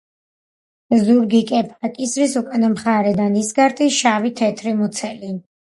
ზურგი, კეფა, კისრის უკანა მხარე და ნისკარტი შავი, თეთრი მუცელი.